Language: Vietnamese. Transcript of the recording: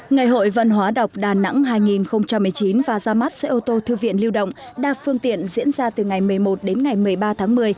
ngày hội văn hóa đọc đà nẵng hai nghìn một mươi chín và ra mắt xe ô tô thư viện lưu động đa phương tiện diễn ra từ ngày một mươi một đến ngày một mươi ba tháng một mươi